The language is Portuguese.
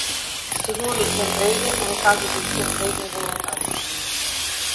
seguro-desemprego, em caso de desemprego involuntário;